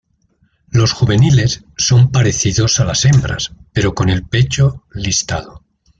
Los juveniles son parecidos a las hembras, pero con el pecho listado.